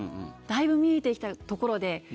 だいぶ見えて来たところで